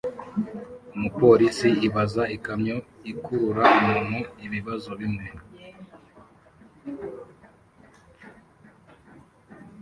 umupolisi ibaza ikamyo ikurura umuntu ibibazo bimwe